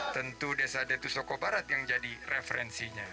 tentu desa de tussoko barat yang jadi referensinya